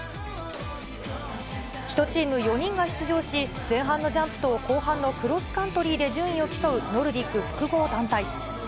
１チーム４人が出場し、前半のジャンプと後半のクロスカントリーで順位を競うノルディック複合団体。